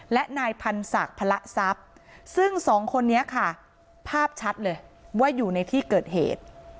และนายพันศักดิ์พระทรัพย์ซึ่งสองคนนี้ค่ะภาพชัดเลยว่าอยู่ในที่เกิดเหตุ